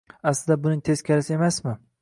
Aslida buning teskarisi emasmi?